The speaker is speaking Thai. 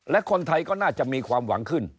และคนไทยก็น่าจะมีความหวังขึ้น